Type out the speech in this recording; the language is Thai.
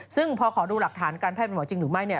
ซึ่งพอขอดูหลักฐานการแพทย์แร็กนี่